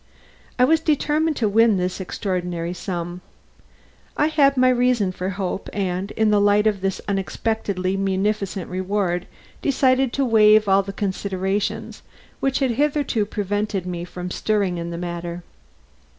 I was determined to win this extraordinary sum. I had my reason for hope and, in the light of this unexpectedly munificent reward, decided to waive all the considerations which had hitherto prevented me from stirring in the matter.